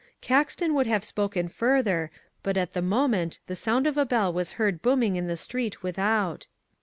Caxton would have spoken further but at the moment the sound of a bell was heard booming in the street without.